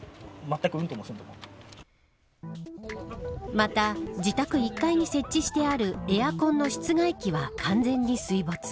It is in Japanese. また、自宅１階に設置してあるエアコンの室外機は完全に水没。